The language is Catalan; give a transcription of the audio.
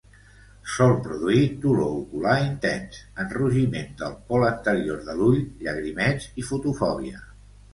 Sol produir dolor ocular intens, enrogiment del pol anterior de l'ull, llagrimeig i fotofòbia.